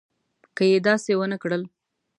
که یې داسې ونه کړل.